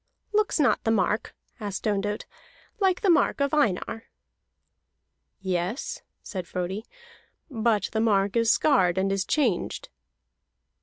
"Looks not the mark," asked Ondott, "like the mark of Einar?" "Yes," said Frodi, "but the mark is scarred, and is changed."